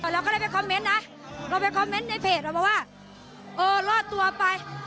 เราก็ได้ไปคอมเมนต์นะเราไปคอมเมนต์ในเพจเรามาว่าเออรอดตัวไป